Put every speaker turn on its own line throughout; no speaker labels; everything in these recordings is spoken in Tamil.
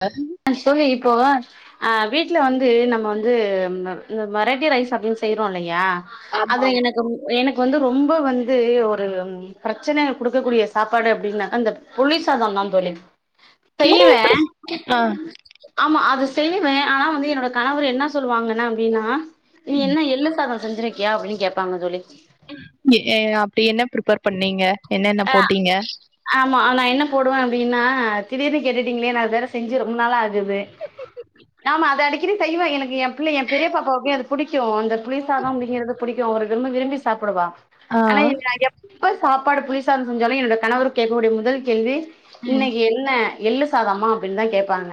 அ
அ சொல்லு இப்போவா அ வீட்ல வந்து நம்ம வந்து இந்த விரட்டி ரைஸ் அப்டினு செய்யறோம் இல்லையா அதுல
ஆமாங்க
எனக்கு எனக்கு வந்து ரொம்ப வந்து ஒரு பிரச்சன கொடுக்கக்கூடிய சாப்பாடு அப்படின்னாக்கா அந்த புளிசாதம் தான் தோழி
[inaudible]
செய்வே
இப்டி ஆ
ஆமா அது செய்யவேன் ஆனா வந்து என்னோட கணவர் என்ன சொல்லுவாங்கன்னு அப்டின்னா நீ
ம்
என்ன எள்ளு சாதம் செஞ்சிருக்கியா அப்டின்னு கேடப்பாங்க தோழி
எ அப்டி என்ன ப்ரிப்பேர் பண்ணீங்க என்ன என்ன
ஆ
போட்டீங்க
ஆமா நா என்ன போடுவேன் அப்டின்னா திடீர்னு கேட்டுட்டீங்களே நா வேற செஞ்சு ரொம்ப நாளா ஆகுது ஆமா அத அடிக்கனே செய்வேன் எனக்கு என் பிள்ளை என் பெரிய பாப்பாவுக்கும் அது புடிக்கும் அந்த புளி சாதம் அப்படிங்கறது பிடிக்கும் அவ ரொம்ப விரும்பி சாப்பிடுவா
ஆ
ஆனா நிறைய எப்ப சாப்பாடு புளிசாதம் செஞ்சாலும் என்னோட கணவரு கேட்கக்கூடிய முதல் கேள்வி
ம்
இன்னைக்கு என்ன எள்ளு சாதம்மா அப்படின்னு தான் கேட்பாங்க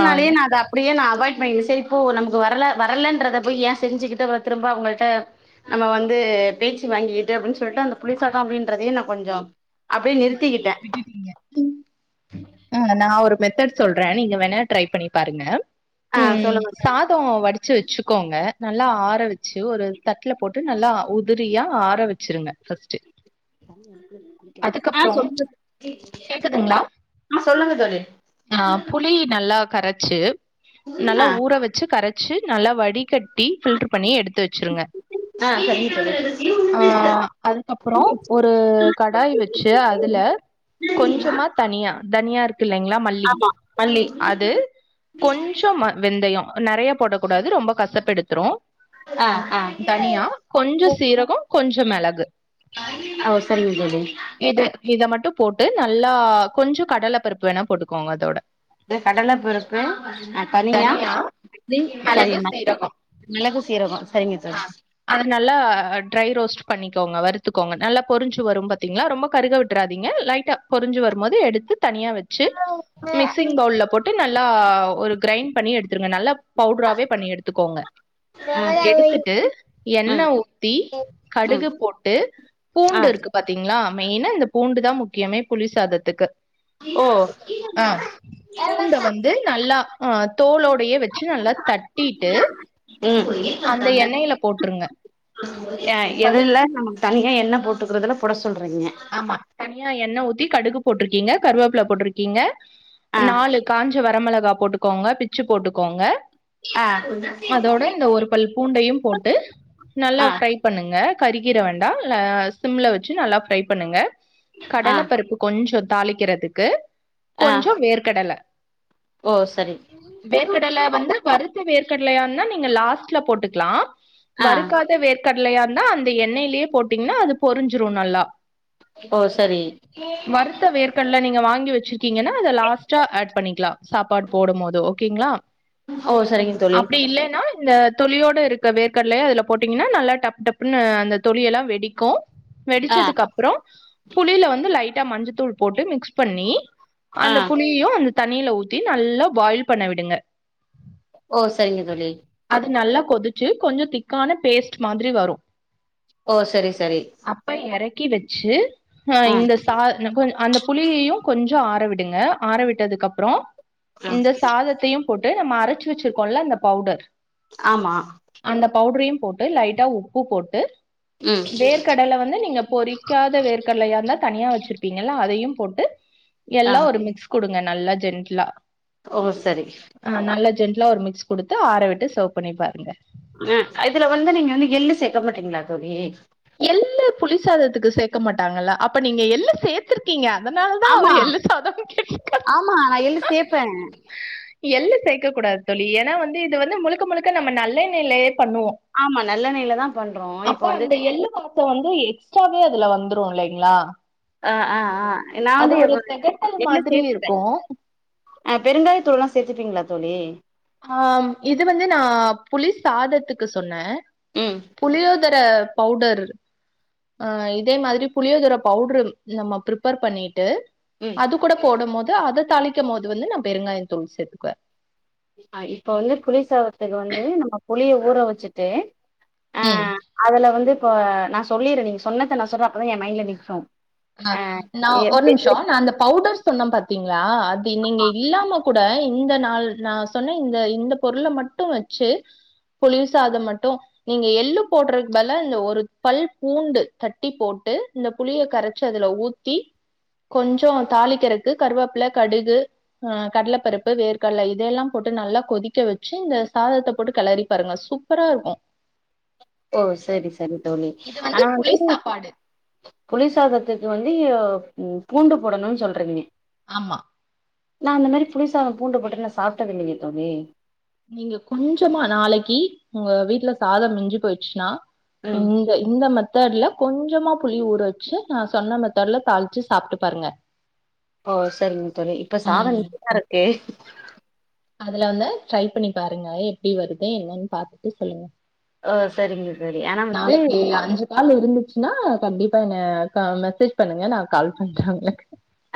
ஆ
நான் அத அப்டியே நான் அவாய்ட் பண்ணிரென் சார் இப்போ நமக்கு வரல வரலன்றத போய் ஏன் செஞ்சுக்கிட்டு திரும்ப அவங்கள்ட நம்ம வந்து பேச்சு வாங்கிட்டு அப்டின்னு சொல்லிட்டு அந்த புளிசாதம் அப்டின்றதே நா கொஞ்சம் அப்டியே நிறுத்திக்கிட்டேன்
[inaudible] ஆ நா ஒரு மெத்தட் சொல்றேன் நீங்க வேணா ட்ரை பண்ணி பாருங்க
ஆ
உம்
சொல்லுங்க
சாத் தோ வடிச்சு வச்சுக்கோங்க நல்லா ஆற வச்சு ஒரு தட்டில போட்டு நல்லா உதிரியாக ஆற வச்சுருங்க ஃபர்ஸ்ட்டு
ஆ சொல்லுங்க
கேக்குதுங்களா
ஆ சொல்லுங்க தோழி
ஆ புளி நல்லா கரைச்சு நல்லா
ஆ
ஊற வச்சு கரைச் ச்சு நல்லா வடிகட்டி ஃபில்ட்ரு பண்ணி எடுத்து வச்சிருங்க
ஆ சரிங்த்தோழி
அதுக்கப்புறம் ஒரு கடாய் வச்சு அதுல கொஞ்சமா தனியா தனியா இருக்கு இல்லலைங்ளா மல்லி
ஆமா மல்லி
அது கொஞ்சம் ம வெந்தயம் நெறையா போடக்கூடாது ரொம்ப கஷப்பெடுத்துரும்
ஆ ஆ
தனியா கொஞ்ச சீரகம் கொஞ்ச மிளகு
அவ் சரிங்க தோழி
இது இத மட்டும் போட்டு நல்லா கொஞ்சம் கடல பருப்பு வேணா போட்டுக்கோங்க அதோட
இந்த கடல பருப்பு ம் தனியா புளி
மெளகு
சரிம்மா
சீரகோ
மிளகும் சீரகம் சரிங்க
ஆ
தோழி
அது நல்லா ட்ரை ரோஸ்ட் பண்ணிக்கோங்க வருத்துக்கோங்க நல்லா பொரிஞ்சு வரும் பாத்தீங்களா ரொம்ப கருக விட்டுறாதீங்க லை டா பொரிஞ்சி வருமோது எடுத்து தனியா வச்சு மிக்சிங் பவுல்ல போட்டு நல்லா ஒரு கிரைண் பண்ணி எடுத்துருங்க நல்லாப் பவுடராவே பண்ணி எடுத்துக்கோங்க எடுத்துட்டு எண்ண
ம்
ஊத்தி
ம்
கடுகு போட்டு
ஆ
பூண்டு இருக்கு பாத்தீங்களா மெயினா இந்த பூண்டுதான் முக்கியமே புளி சாதத்துக்கு
ஓ
ஆ பூண்ட வந்து நல்லா அ தோலோடையே வெச்சு நல்லா தட்டிட்டு
ம்
அந்த எண்ணெய்ல போட்டுருங்க
அ
கடு
எதெல்லா தனியா எண்ண போட்டுக்கறதுல பொட சொல்றீங்க
ஆமா தனியா எண்ணெ ஊத்தி கடுகு போட்ருக்கீங்க கருவேப்பில போட்டிருக்கீங்க
ஆ
நாலு காஞ்ச வரமெளகா போட்டுக்கோங்க பிச்சு போட்டுக்கோங்க
ஆ
அதோட இந்த ஒரு பல் பூண்டையு போட்டு நல்லா
ஆ
ஃப்ரை பண்ணுங்க கரிகிற வேண்டா ல சிம்ல வெச்சு நல்லா ஃபிரை பண்ணுங்க
ஆ
கடல பருப்பு கொஞ்சோ தாளிக்கிறதுக்கு
ஆ
கொஞ்சோ வேற்கடல
ஓ சரி
வேர்கடல வந்தா வருத்த வேர்கடலையா இந்தா நீங்க லாஸ்ட்ல போட்டுக்கலா
ஆ
வறுக்காத வேர் கடலையாந்தா அந்த எண்ணெயிலயே போட்டீங்கன்னா அது பொரிஞ்சிரோ நல்லா
ஓ சரி
வருத்த வேர்கற்கடல நீங்க வாங்கி வெச்சிருக்கீங்கன்னா அத லாஸ்ட்டா ஆட் பண்ணிக்லா சாப்பாடு போடு போது ஓகேங்களா
ஓ சரிங்க தோழி
அப்டி இல்லேன்னா இந்த தொளியோட இருக்க வேர்க்கடலய அதுல போட்டீங்கன்னா நல்லா டப் டப்புன்னு அந்த தொலியெலா வெடிக்கோ
ஆ
வெடிச்சதுக்கு அப்புறோ புளியில வந்து லைட்டா மஞ்சத்தூள் போட்டு மிக்ஸ் பண்ணி
ஆ
அந்த புளியு அந்த தண்ணியில ஊத்தி நல்லா பாயில் பண்ண விடுங்க
ஓ சரிங்க தோழி
அது நல்லா கொதிச்சு கொஞ்சோ திக்கான பேஸ்ட் மாதிரி வரு
ஓ சரி சரி
அப்ப எறக்கி வெச்சு ஆ இந்த சி தா ந்த கொஞ் அந்த புளியையு கொஞ்சோ ஆறவிடுங்க ஆற விட்டதுக்கு அப்புறோ
ஆ
இந்த சாதத்தையு போட்டு நம்ம அரச்சு வெச்சிருக்கோல அந்த பவுடர்
ஆமா
அந்த பவுடரையு போட்டு லைட்டா உப்பு போட்டு
ம்
வேர் கடல வந்து நீங்கப் பொறிக்காத வேர்கடலையா இருந்தா தனியா வெச்சிருப்பீங்களா அதையு போட்டு
ஆ
எல்லா ஒரு மிக்ஸ் குடுங்க நல்லா ஜென்ட்லா
ஓ செரி
ஆ நல்லா ஜென்ட்லா ஒரு மிக்ஸ் குடுத்து ஆற விட்டு சர்வ் பண்ணி பாருங்க
ம் இதுல வந்து நீங்க வந்து எள்ளு சேக்க மாட்டீங்களா தோழி
எள்ளு புளிசாதத்துக்கு சேக்க மாட்டாங்கல்ல அப்ப நீங்க எள்ளு சேத்துரு கீங்க அதனால தா
ஆமா
அவுரு எள்ளு சாதம்னு கேட்ருக்காரு
ஆமா நா எள்ளு சேப்பே
எள்ளு சேக்க கூடாது தோழி ஏனா வந்து இது வந்து முழுக்க முழுக்க நம்ம நல்லெண்ணெயிலயே பண்ணுவோ
ஆமா நல்லெண்ணெய்லதா
அப்போ அந்த எள்ளு வாசோ வந்து எக்ஸ்ட்ராவே அதுல வந்துரு இல்லைங்களா
அ அ அ நா
அது
வந்து
ஒரு தெகட்டல்
எள்ளு
மாதிரி
சேத்துட்டே
இருக்கு
ஆ பெருங்காய தூளுலா சேத்துட்டீங்களா தோழி
ஆ இது வந்து நா புலி சாதத்துக்கு சொன்னே
ம்
புளியோதர பவுடர் ஆ இதே மாதிரி புளியோ தர பவுட்ரு நம்ம ப்ரிப்பர் பண்ணிட்டு
ம்
அது கூட போடும் போது அத தாளிக்கும் போது வந்து நா பெருங்காய தூள் சேத்தக்குவ
அ இப்ப வந்து புளி சாதத்துக்கு வந்து நம்ம புளிய ஊற வச்சுட்டு ஆ
ம்.
அதுல வந்து இப்போ நா சொல்லிட்றே நீங்க சொன்னத நா சொல்றே அப்பதா எ மைண்ட்ல நிக்கோ
அ நா ஒரு நிமிஷோ நா அந்த பவுடர் சொன்ன பாத்தீங்களா அது நீங்க இல்லாம கூட இந்த நாள் நா சொன்ன இந்த இந்த பொருள மட்டு வச்சு புளி சாதம் மட்டு நீங்க எள்ளு போடுறக்கு பதிலா இதுல ஒரு பல் பூண்டு தட்டி போட்டு இந்த புளிய கரச் ச்சு அதுல ஊத்தி கொஞ்சு தாளிக்கிறக்கு கருவேப்புல கடுகு ஆஹ் கடலப்பருப்பு வேர்கடல இதையெல்லா போட்டு நல்லா கொதிக்க வச்சு இந்த சாதத்த போட்டு கெளறி பாருங்க சூப் சூப்பரா இருக்கு
ஓ சரி சரி தோழி
இது வந்து
ஆனாவந்து
புளி சாப்பாடு
புளிசாதத்துக்கு வந்து யு பூண்டு போடணுனு சொல்றீங்க
ஆமா
நா அந்தமேறி புளிசாதோ பூண்டு போட்டு நா சாப்டதில்லையே தோழி
நீங்க கொஞ்சமா நாளைக்கி உங்க வீட்ல சாதம் மிஞ்சு போச்சுனா ம் இந்த மெத்தட்ல கொஞ்சமா புளி ஊற வச்சு நா சொன்ன மெத்தட்ல தாளிச்சு சாப்ட்டு பாருங்க
ஓ சரிங்க தோழி இப்ப சாதம்
ம்
மிச்சோ இருக்கு
அதுல வந்து ட்ரை பண்ணி பாருங்க எப்டி வருது என்னனு பாத்துட்டு சொல்லுங்க
ஓ சரிங்க தோழி ஆனா வந்து
நாளைக்கி அஞ்சு கால் இருந்துச்சுனா கண்டிப்பா என்ன க மெசேஜ் பண்ணுங்க நா கால் பண்ற உங்குளுக்கு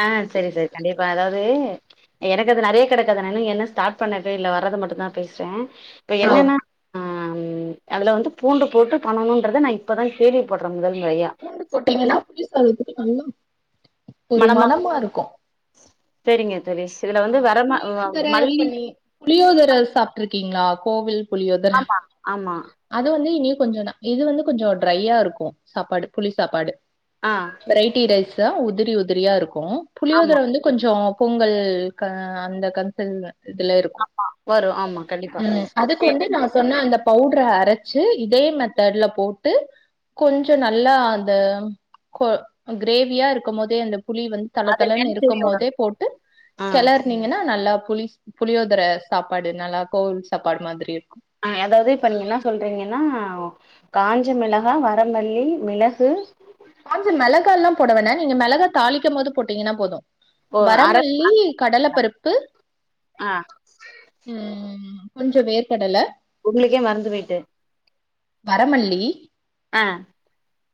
ஆ செரி செரி கண்டிப்பா அதாவது எனக்கு அது நறையா கெடக்கு அதனால இன்னு ஸ்டார்ட் பண்ணவே இல்ல வர்றது மட்டு தா பேசுறே இப்ப
நான்
என்னனா ஆ அதுல வந்து பூண்டு போட்டு பண்ணணும்ன்றத நா இப்பதா கேள்விப்படுற முதல் முறையா
பூண்டு போட்டீங்கன்னா புளி சாதத்துக்கு நல்லா ஒரு மனமா இருக்கு
சேரிங்க தோழி இதுல
ஆ
வந்து வரமா
புளியோதர
மல்லி
பண்ணி புளியோதர சாப்ட்டு இருக்கீங்களா கோவில் புளியோதர
ஆமா ஆமா
அது வந்து இனியு கொஞ்சோ இது வந்து கொஞ்சோ ட்ரையா இருக்கு சாப்பாடு புளி சாப்பாடு
ஆ
வெரைட்டி ரைஸ்ஸா உதிரி உதிரியா இருக்கு
ஆமா
புளியோதர வந்து கொஞ்சோ பொங்கல் க அந்த கன்சல் இதுல இருக்கு
வரு ஆமா கண்டிப்பா
அதுக்கு வந்து ந சொன்ன அந்த பவுட்ர அரைச்சு இதே மெத்தட்ல போட்டு கொஞ்சோ நல்லா அந்த கோ கிரேவியா இருக்கும் போதே அந்த புளி வந்து தள
அது
தளனு இருக்கும்
நெல்சரியோட
போதே போட்டு
ஆ
கெளறுனீங்கனா நல்லா புளி புளியோதர சாப்பாடு நல்லா கோவில் சாப்பாடு மாதிரி இருக்கு
ஆ எதாவது இப்ப நீங்க என்ன சொல்றீங்கனா காஞ்ச மிளகா வரமல்லி மிளகு
காஞ்ச மிளகாலா போட வேனா நீங்க மிளகா தாளிக்கும் போது போட்டீங்கனா போது
ஓ அர
வரமல்லி கடல பருப்பு
ஆ
உம் கொஞ்சோ வேர்க்கடலே
உங்களுக்கே மறந்து போயிட்டு
வரமல்லி
ஆ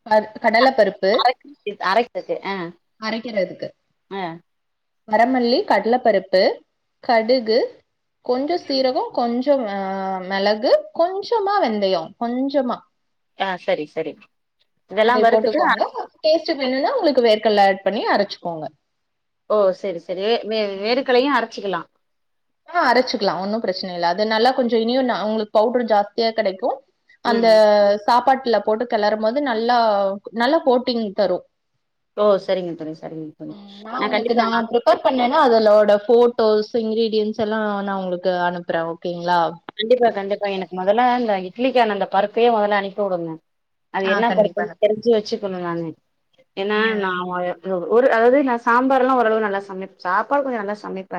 ப கடல பருப்பு
அரைக்கு அரைக்கக்கு ஆ
அரைக்கிறதுக்கு
ஆ
வரமல்லி கடலபருப்பு கடுகு கொஞ்சோ சீரகோ கொஞ்சோ மெளகு கொஞ்சமா வெந்தயோ கொஞ்சமா
ஆ சரி சரி இதெல்லா வருத்துட்டு அரச்சு
டேஸ்ட்க்கு வேனுனா உங்களுக்கு வேர்கல்ல ஆட் பண்ணி அரச்சுகோங்க
ஓ சரி சரி வே வே
ம்
வேர்க்கல்லயு அரச்சிகலா
ஆ அரச்சுகலா ஒன்னு பிரச்சன இல்ல அது நல்லா கொஞ்சோ இனியு உங்களுக்கு பவுடர் ஜாஸ்தியா கெடைக்கு அந்த
ம்
சாப்பாட்ல போட்டு கெளரும்போது நல்லா நல்லா கோட்டிங் தரு
ஓ சரிங்க தோழி சரிங்க தோழி நா கண்டிப்பா நா
கர் பண்ணன்னா அதலோட ஃபோட்டோஸ் இன்கிரீடியன்ஸ் எல்லா நா உங்களுக்கு அனுப்பற ஓகேங்ளா
கண்டிப்பா கண்டிப்பா எனக்கு மொதல்ல இந்த இட்லிக்கான அந்த பருப்பயே மொதல்ல அனுப்பி விடுங்க அது
ஆ
என்னா
கண்டிப்பா
பருப்புனு
அனுப்
தெரிஞ்சு வெச்சுக்கணு நானு ஏனா
ஆ
நா ஒரு அதாவது நா சாம்பார் எல்லா ஓரளவு நல்லா சமைப்ப சாப்பாடு கொஞ்சோ நல்லா சமைப்ப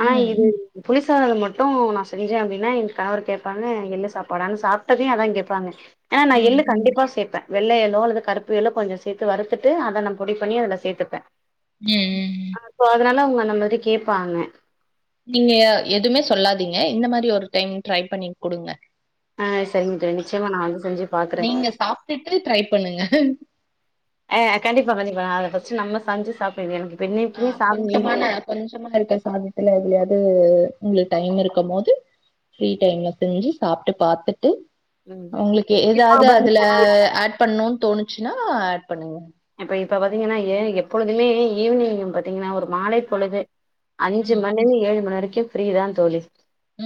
ஆனா
ம்
இது புளிசாதல மட்டு நா விஜயம் அப்டின்னா என் கணவர் கேப்பாங்க எள்ளு சாப்பாடானு சாப்ட்டதையு அதா கேப்பாங்க ஆ நா
ம்
எள்ளு கண்டிப்பா சேப்ப வெள்ள எல்லோ அல்லது கருப்பு எல்லோ கொஞ்சோ சேத்து வறுத்துட்டு அத நா பொடி பண்ணி அதுல சேத்துப்ப
ம் ம்
அ சோ அதனால அவுங்க அந்த மாரி கேப்பாங்க
நீங்க எதுமே சொல்லாதீங்க இந்த மாரி ஒரு டைம் ட்ரை பண்ணி குடுங்க
ஆ சரிங்க தோழி நிச்சயமா நா வந்து செஞ்சு பாக்குறே
நீங்க சாப்ட்டுட்டு ட்ரை பண்ணுங்க
ஆ கண்டிப்பா கண்டிப்பா நா அத ஃபர்ஸ்ட் நம்ம செஞ்சு சாப்ட்டு இது எனக்கு இப்ப
ஆ
இன்னைக்குமே சாதம் மீந்து
கொஞ்சமான
போயிடு
கொஞ்சமா இருக்க சாதத்துல எதுலாயாது உங்களுக்கு டைம் இருக்கும்போது ஃப்ரீ டைம்ல செஞ்சு சாப்ட்டு பாத்துட்டு
ம்
உங்களுக்கு எதாது
இப்ப
அதுல ஆட் பண்ணுன் தோணுச்சுனா ஆட் பண்ணுங்க
இப்ப இப்ப பாத்தீங்கனா ஏ எப்பொழுதுமே ஈவினிங் பாத்தீங்கனா ஒரு மாலை பொழுது அஞ்சு
ம்
மணிலந்நது ஏழு மணி வரைக்கு ஃப்ரீதான் தோழி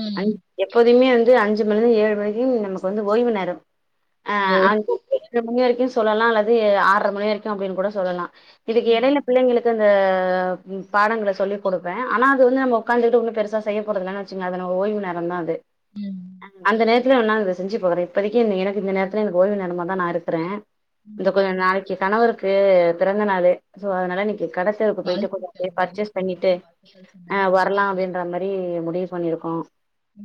ம்
அஞ் எப்போ எப்பயுமே வந்து அஞ்சு மணிலந்து ஏழு மணிக்கு நமக்கு வந்து ஓய்வு நேரம் அ
ஓ
ஏழு மணி வரைக்கு சொல்லலா அல்லது ஆறரை மணி வரைக்கு அப்டின்னு கூட சொல்லலாம் இதுக்கு
ம்
எடைல பிள்ளைங்களுக்கு அந்த பாடங்கள சொல்லி குடுப்பேன் ஆனா அது வந்து நம்ம உக்காந்துட்டு ஒன்னு பெருசா செய்யப்போறதில்ல வெச்சுங்க அதனா ஓய்வு நேரந்தான் அது
ம்
அந்த நே இதுல ஒன்னா அத செஞ்சு பாறேன் இப்பதைக்கு இனி எனக்கு இந்த நேரத்துல எனக்கு ஓய்வு நேரமாதா நா இருக்கற இந்த கொஞ்ச
ம்.
நாளைக்கு கணவருக்கு பிறந்த நாளு சோ அதனால இன்னைக்கு கட க்கு
வாழ்த்துக்கள்
போயிட்டு பர்ச்சேஸ்
வாழ்த்துக்கள் நானு
பண்ணிட்டு
வாழ்த்துக்கள்
அ
சொன்னேன்னு
வரலா
சொல்லுங்க
அப்டின் கற மாரி முடிவு பண்ணிருக்கோ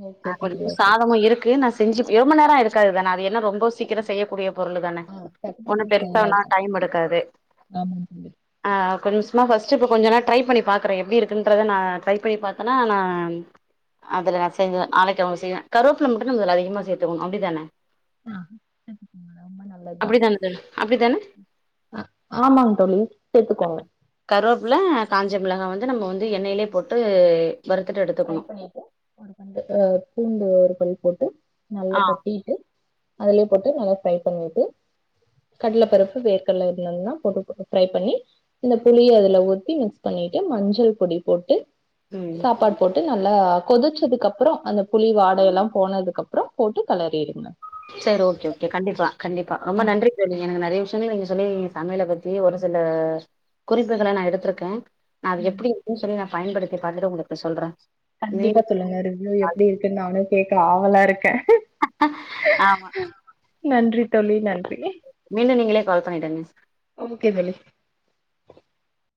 ஓகே தம்பி
கொஞ்ச
ஓகே
சாதமு இரு க்கு நா செஞ்ச ரொம்ப நேரோ ஆயிருக்காது தான அது என்ன ரொம்ப சீக்கிரோ செய்யக்கூடிய பொருளுதான
ஆ
ஒண்ணு
டக்குன்னு
பெருசா ஒன்னு
செய்யறதுதா
டைம் எடுக்காது
ஆமாங்க தம்பி
அ கொஞ்சம்மா ஃபர்ஸ்ட்டு இப்போ கொஞ்ச நா ட்ரை பண்ணி பாக்கற எப்டி இருக்குன்றத நா ட்ரை பண்ணி பாத்தனா நா அதில நா செஞ்ச நாளைக்கு அவுங்களுக்கு செய்வன் கருவேப்பில மட்டு நம்ம அதில் கொஞ்சோ அதிகமா சேத்துக்கணு அப்டிதான
ஆ சேத்துக்கோங்க ரொம்ப
அப்டிதான தோழி அப்டிதான
ஆமாங் தோழி சேத்துகோங்க
கருவேப்பல காஞ்ச மிளகா வந்து நம்ம வந்து எண்ணெயிலயே போட்டு வறுத்துட்டு எடு
ஃப்ரை பண்ணிட்டு ஒரு பல்லு பூண்டு ஒரு பல் போட்டு நல்லா
ஆ
தட்டிட்டு அதுலயே போட்டு நல்லா ஃப்ரை பண்ணிட்டு கடல பருப்பு வேர்கடல இதுல எல்லா போட்டு ஃப்ரை பண்ணி இந்த புளிய அதுல ஊத்தி மிக்ஸ் பண்ணிட்டு மஞ்சள் பொடி போட்டு
ம்
சாப்பாடு போட்டு நல்லா கொதிச்சதுக்கு அப்றோ அந்த புளி வாடல்லாம் போனதுக்கு அப்றோ போட்டு கலறிடுங்க
செர்ரி ஓகே ஓகே கண்டிப்பா கண்டிப்பா ரொம்ப நன்றி தோழி எனக்கு நெறைய விஷயங்கள நீங்க சொல்லி சமையல பத்தி தீய ஒரு சில குறிப்புகள நா எடுத்திருக்கே நா அது எப்டி இருக்குன்னு சொல்லி நா பயன்படுத்தி பாத்துட்டு உங்களுக்கு சொல்றே மீ
கண்டிப்பா சொல்லுங்க ரிவ்யூ எப்டி இருக்குன்னு நானு கேக்க ஆவலாருக்கே
ஆமா
நன்றி தோழி நன்றி
மீண்டு நீங்களே கால் பண்ணிடுங்க
ஓகே தோழி